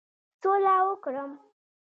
سوله وکړم.